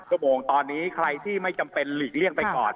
ชั่วโมงตอนนี้ใครที่ไม่จำเป็นหลีกเลี่ยงไปก่อน